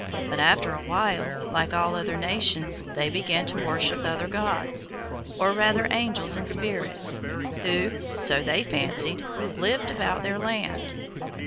But after a while, like all other nations, they began to worship other gods, or rather angels and spirits, who (so they fancied) lived about their land.